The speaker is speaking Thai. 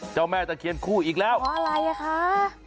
เจ้าแม่จะเขียนคู่อีกแล้วขออะไรคะ